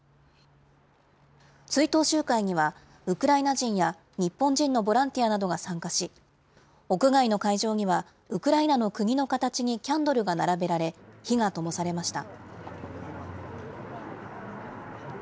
追悼集会には、ウクライナ人や日本人のボランティアなどが参加し、屋外の会場には、ウクライナの国の形にキャンドルが並べられ、火がともされました。